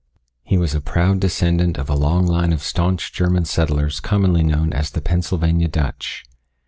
He was a proud descendant of a long line of staunch German settlers commonly known as the Pennsylvania Dutch.